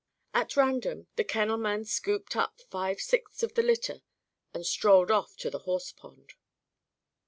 At random the kennelman scooped up five sixths of the litter and strolled off to the horse pond.